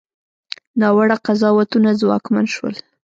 ناوړه قضاوتونه ځواکمن شول.